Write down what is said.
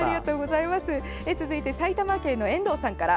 続いて埼玉県の遠藤さんから。